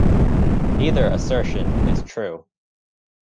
Neither assertion is true.